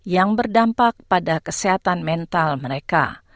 yang berdampak pada kesehatan mental mereka